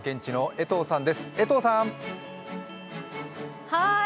江藤さん。